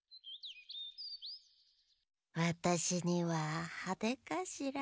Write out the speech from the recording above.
わたしにははでかしら。